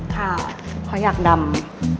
เพราะอยากดำ